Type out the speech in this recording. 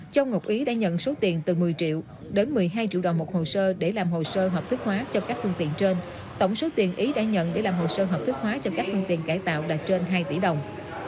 châu ngọc ý đã nhận số tiền từ một mươi triệu đến một mươi hai triệu đồng một hồ sơ để làm hồ sơ hợp thức hóa cho các phương tiện trên tổng số tiền ý đã nhận để làm hồ sơ hợp thức hóa cho các phương tiện cải tạo đạt trên hai tỷ đồng